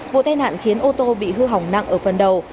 vụ tai nạn khiến ô tô bị hư hỏng nặng ở phần đầu